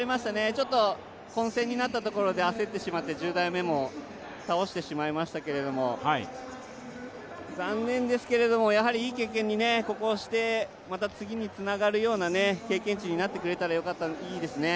ちょっと混戦になったところで焦ってしまって１０台目も倒してしまいましたけれども、残念ですけれども、ここをいい経験にして、また次につながるような経験値になってくれたらいいですね。